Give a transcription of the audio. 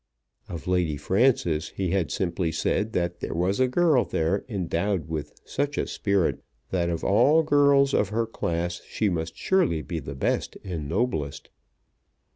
Of Lady Frances he had simply said that there was a girl there endowed with such a spirit, that of all girls of her class she must surely be the best and noblest.